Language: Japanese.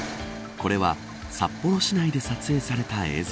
これは札幌市内で撮影された映像。